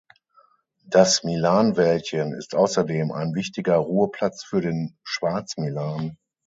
Das Milanwäldchen ist außerdem ein wichtiger Ruheplatz für den Schwarzmilan.